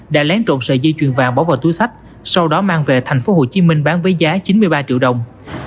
đã lén trộn sợi dây chuyền vàng bỏ vào túi sách sau đó mang về tp hcm bán với giá chín mươi ba triệu đồng